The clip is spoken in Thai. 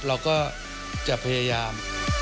เราก็จะพยายาม